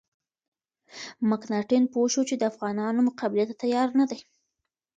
مکناتن پوه شو چې د افغانانو مقابلې ته تیار نه دی.